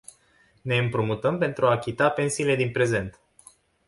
Ne împrumutăm pentru a achita pensiile din prezent.